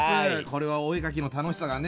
これはお絵描きの楽しさがね